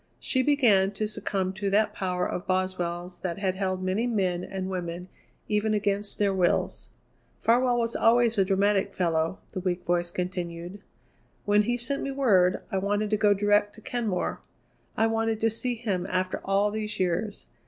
She began to succumb to that power of Boswell's that had held many men and women even against their wills. "Farwell was always a dramatic fellow," the weak voice continued. "When he sent me word, I wanted to go direct to Kenmore; I wanted to see him after all these years.